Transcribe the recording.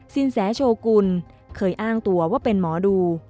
แสโชกุลเคยอ้างตัวว่าเป็นหมอดู